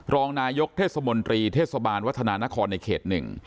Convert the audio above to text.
รองนายกเทศมนตรีเทศบาลวัฒนานครในเขต๑